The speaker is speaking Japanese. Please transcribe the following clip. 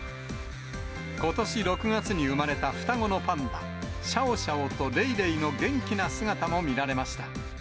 ことし６月に産まれた双子のパンダ、シャオシャオとレイレイの元気な姿も見られました。